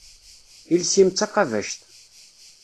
Iles-im d taqabact.